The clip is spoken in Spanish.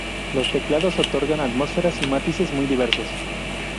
Los teclados otorgan atmósferas y matices muy diversos.